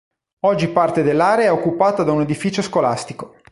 Oggi parte dell’area è occupata da un edificio scolastico.